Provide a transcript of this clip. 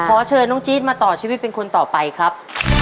ขอเชิญน้องจี๊ดมาต่อชีวิตเป็นคนต่อไปครับ